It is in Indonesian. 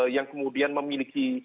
yang kemudian memiliki